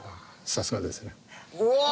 さすがですね。うわ！